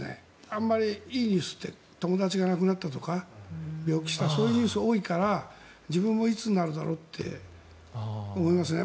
あまりいいニュースって友達が亡くなったとか病気したとかそういうニュースが多いから自分もいつになるだろうって思いますね。